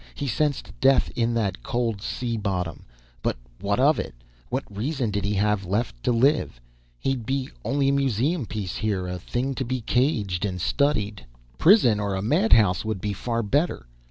He sensed death in that cold sea bottom, but what of it? What reason did he have left to live? He'd be only a museum piece here, a thing to be caged and studied.... Prison or a madhouse would be far better.